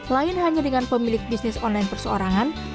lain hanya dengan pemilik bisnis online perseorangan